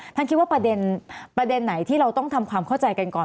ท่านคิดว่าประเด็นไหนที่เราต้องทำความเข้าใจกันก่อน